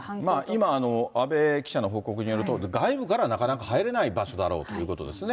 今、阿部記者の報告によると、外部からはなかなか入れない場所だろうということですね。